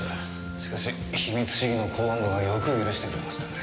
しかし秘密主義の公安部がよく許してくれましたね。